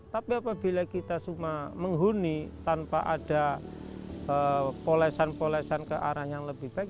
tapi apabila kita semua menghuni tanpa ada polesan polesan ke arah yang lebih baik